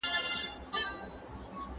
فکري سرچينې تر مادي سرچينو ژورې دي.